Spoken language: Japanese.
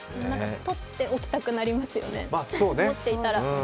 とっておきたくなりますよね、持っていたら。